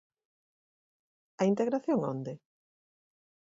¿A integración onde?